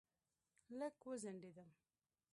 لږ وځنډېدم.